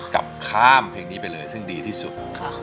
กลับข้ามเพลงนี้ไปเลยซึ่งดีที่สุด